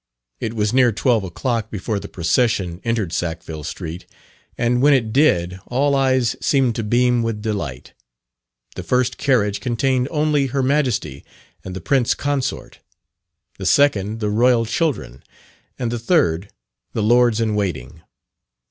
It was near twelve o'clock before the procession entered Sackville Street, and when it did all eyes seemed to beam with delight. The first carriage contained only Her Majesty and the Prince Consort; the second, the Royal children; and the third, the Lords in Waiting.